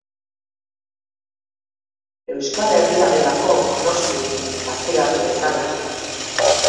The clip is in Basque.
Euskal Herria fartsa delako, noski, Aznarrek gaztigatu bezala.